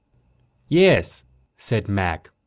"Yes," said Mac.